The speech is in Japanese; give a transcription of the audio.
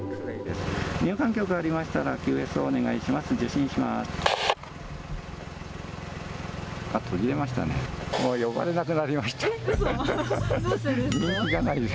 入感局ありましたらＱＳＯお願いします。